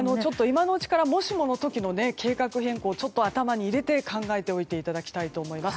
今のうちからもしもの時の計画変更を頭に入れて考えておいていただきたいと思います。